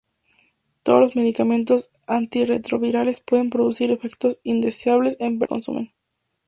Todos los medicamentos antirretrovirales pueden producir efectos indeseables en las personas que los consumen.